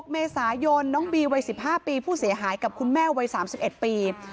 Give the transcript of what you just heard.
เมษายนน้องบีวัย๑๕ปีผู้เสียหายกับคุณแม่วัย๓๑ปี